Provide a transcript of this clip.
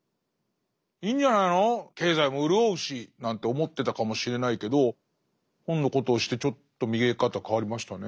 「いいんじゃないの経済も潤うし」なんて思ってたかもしれないけど本のことを知ってちょっと見え方変わりましたね。